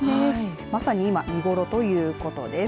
まさに今、見頃ということです。